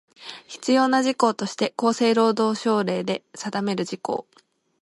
必要な事項として厚生労働省令で定める事項